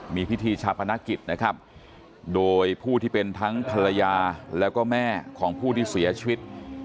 มีพิธีชาปนกิจนะครับโดยผู้ที่เป็นทั้งภรรยาแล้วก็แม่ของผู้ที่เสียชีวิต